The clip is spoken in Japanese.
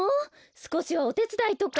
すこしはおてつだいとか。